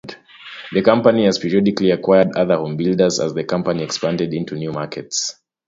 The company has periodically acquired other homebuilders as the company expanded into new markets.